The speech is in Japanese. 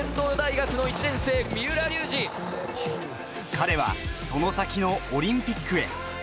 彼はその先のオリンピックへ。